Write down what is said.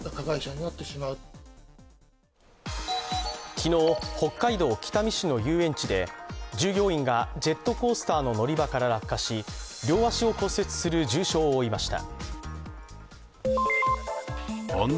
昨日、北海道北見市の遊園地で従業員がジェットコースターの乗り場から落下し両足を骨折する重傷を負いました。